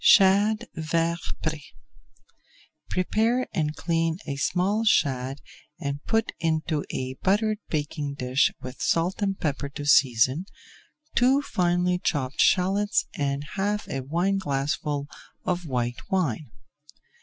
SHAD VERT PRÉ Prepare and clean a small shad and put into a buttered baking dish with salt and pepper to season, two finely chopped shallots and half a wineglassful of white wine.